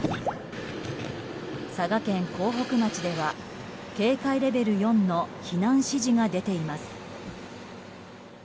佐賀県江北町では警戒レベル４の避難指示が出ています。